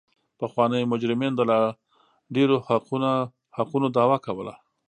پخوانیو مجرمینو د لا ډېرو حقونو دعوه کوله.